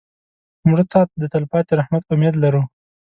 مړه ته د تلپاتې رحمت امید لرو